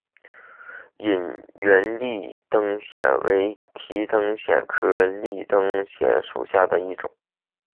隐缘立灯藓为提灯藓科立灯藓属下的一个种。